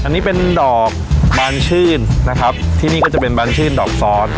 อันนี้เป็นดอกบานชื่นนะครับที่นี่ก็จะเป็นบานชื่นดอกซอส